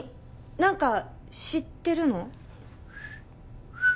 何か知ってるの？